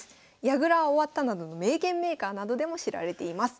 「矢倉は終わった」などの名言メーカーなどでも知られています。